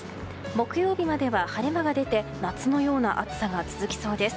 木曜日までは晴れ間が出て夏のような暑さが続きそうです。